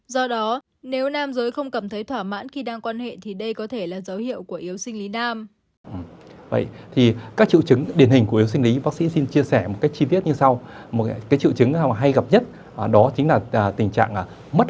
do đó nếu nam giới không cảm thấy thỏa mãn khi đang quan hệ thì đây có thể là dấu hiệu của yếu sinh lý nam